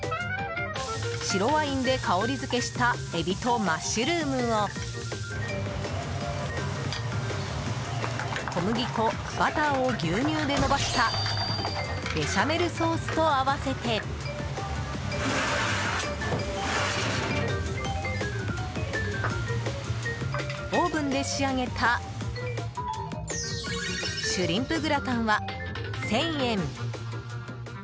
白ワインで香り付けしたエビとマッシュルームを小麦粉、バターを牛乳でのばしたベシャメルソースと合わせてオーブンで仕上げたシュリンプグラタンは１０００円。